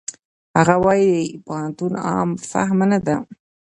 هغه وايي پوهنتون عام فهمه نه ده.